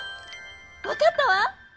わかったわ！